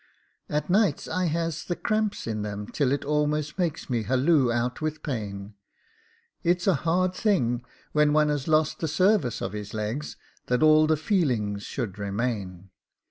At nights I has the cramp in them till it almost makes me halloo out with pain. It's a hard thing when one has lost the sarvice of his legs, that all the feelings should remain.